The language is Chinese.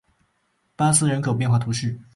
巴斯人口变化图示